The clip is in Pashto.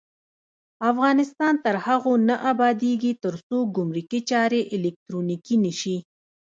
افغانستان تر هغو نه ابادیږي، ترڅو ګمرکي چارې الکترونیکي نشي.